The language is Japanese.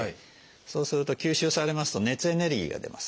そうすると吸収されますと熱エネルギーが出ます。